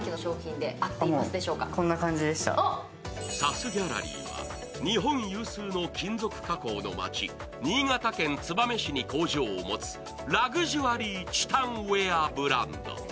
ＳＵＳｇａｌｌｅｒｙは日本有数の金属加工の町、新潟県燕市に工場を持つラグジュアリー・チタンウエアブランド。